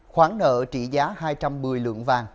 khoản nợ trị giá hai trăm một mươi lượng vàng